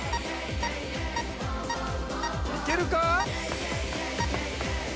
いけるか？